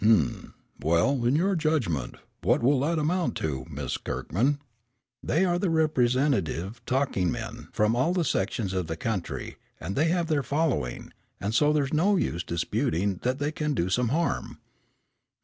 "Hem, well in your judgment, what will that amount to, Miss Kirkman?" "They are the representative talking men from all sections of the country, and they have their following, and so there's no use disputing that they can do some harm."